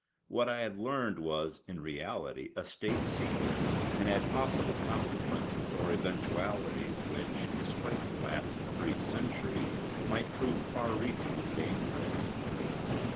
What I had learned was in reality a State secret and had possible consequences or eventualities which, despite the lapse of three centuries, might prove far reaching and dangerous.